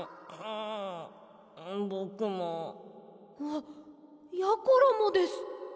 あっやころもです。